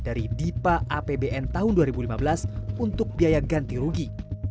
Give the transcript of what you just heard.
dari dipa apbn tahun dua ribu lima belas untuk biaya ganti rugi